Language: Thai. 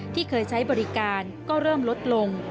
ที่เคยใช้บริการก็เริ่มลดลง